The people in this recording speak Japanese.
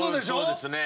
そうですね。